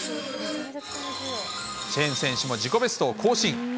チェン選手も自己ベストを更新。